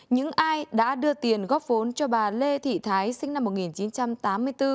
những ai đã đưa tiền góp vốn cho bà lê thị thái sinh năm một nghìn chín trăm tám mươi bốn